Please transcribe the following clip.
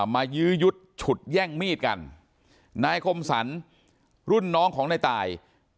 ยื้อยุดฉุดแย่งมีดกันนายคมสรรรุ่นน้องของนายตาย